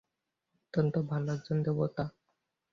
অত্যন্ত ভাল একজন দেবতা।